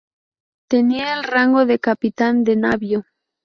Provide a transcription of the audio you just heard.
Tenía el rango de Capitán de Navío.